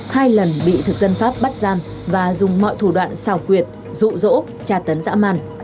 hai lần bị thực dân pháp bắt giam và dùng mọi thủ đoạn xào quyệt rụ rỗ trà tấn dã man